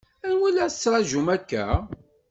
Anwa i la ttṛaǧun akka?